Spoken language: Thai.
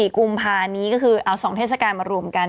กุมภานี้ก็คือเอา๒เทศกาลมารวมกัน